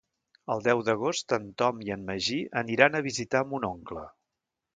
El deu d'agost en Tom i en Magí aniran a visitar mon oncle.